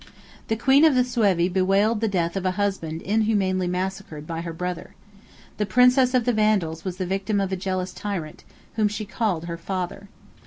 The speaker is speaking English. The queen of the Suevi bewailed the death of a husband inhumanly massacred by her brother. The princess of the Vandals was the victim of a jealous tyrant, whom she called her father.